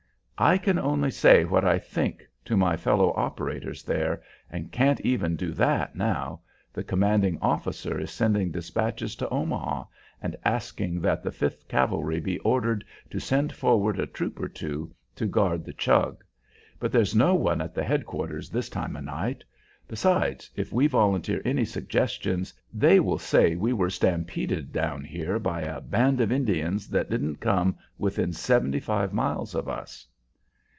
"I can only say what I think to my fellow operator there, and can't even do that now; the commanding officer is sending despatches to Omaha, and asking that the Fifth Cavalry be ordered to send forward a troop or two to guard the Chug. But there's no one at the head quarters this time o' night. Besides, if we volunteer any suggestions, they will say we were stampeded down here by a band of Indians that didn't come within seventy five miles of us."